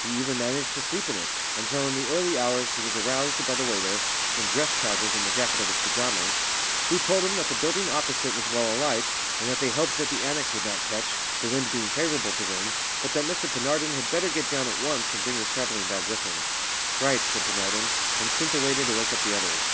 He even managed to sleep in it, until in the early hours he was aroused by the waiter (in dress trousers and the jacket of his pyjamas), who told him that the building opposite was well alight, and that they hoped that the annexe would not catch, the wind being favourable to them, but that Mr Penarden had better get down at once and bring his travelling bag with him. "Right," said Penarden, and sent the waiter to wake up the others.